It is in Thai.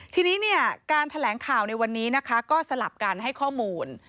ทีนี้การแถลงข่าวในวันนี้ก็สลับกันให้ข้อมูล